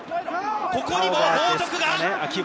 ここにも報徳が。